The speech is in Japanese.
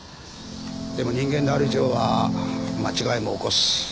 でも人間である以上は間違いも起こす。